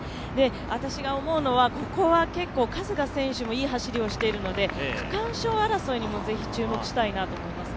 私が思うのは、ここは加世田選手もいい走りをしているので区間賞争いにもぜひ注目したいと思いますね。